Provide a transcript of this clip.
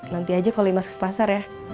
nanti aja kalau lima ke pasar ya